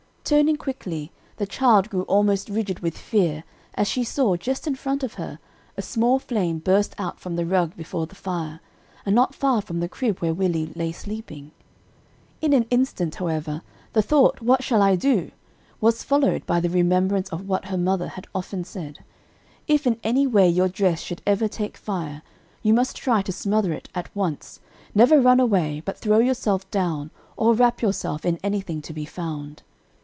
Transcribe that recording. Turning quickly, the child grew almost rigid with fear as she saw, just in front of her, a small flame burst out from the rug before the fire, and not far from the crib where Willie lay sleeping. In an instant, however, the thought "What shall I do?" was followed by the remembrance of what her mother had often said, "If in any way your dress should ever take fire, you must try to smother it at once; never run away, but throw yourself down, or wrap yourself in anything to be found."